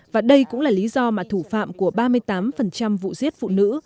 và đây cũng là lý do mà thủ phạm của ba mươi tám vụ giết phụ nữ